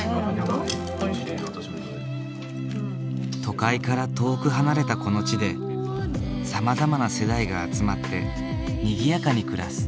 都会から遠く離れたこの地でさまざまな世代が集まってにぎやかに暮らす。